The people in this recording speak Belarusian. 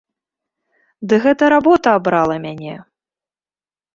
Ды гэта работа абрала мяне!